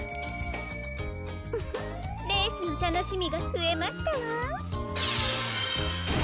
ウフッレースのたのしみがふえましたわ。